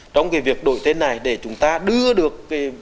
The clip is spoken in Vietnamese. trong cái việc đổi tên này để chúng ta đưa được